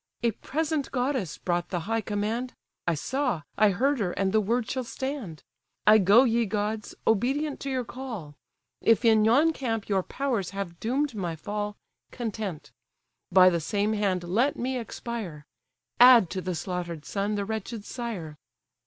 A present goddess brought the high command, I saw, I heard her, and the word shall stand. I go, ye gods! obedient to your call: If in yon camp your powers have doom'd my fall, Content—By the same hand let me expire! Add to the slaughter'd son the wretched sire!